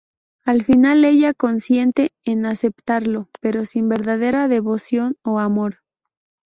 Al final ella consiente en aceptarlo, pero sin verdadera devoción o amor.